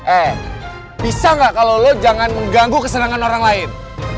eh bisa nggak kalau lo jangan mengganggu keserangan orang lain